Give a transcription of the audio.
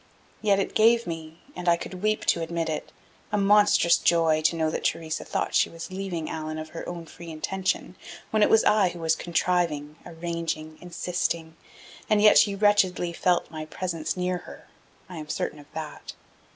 Yet it gave me, and I could weep to admit it, a monstrous joy to know that Theresa thought she was leaving Allan of her own free intention, when it was I who was contriving, arranging, insisting.... And yet she wretchedly felt my presence near her; I am certain of that.